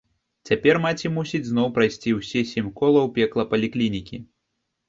Цяпер маці мусіць зноў прайсці ўсе сем колаў пекла паліклінікі.